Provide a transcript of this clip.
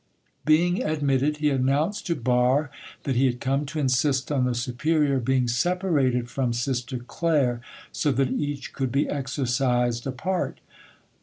Being admitted, he announced to Barre that he had come to insist on the superior being separated from Sister Claire, so that each could be exorcised apart.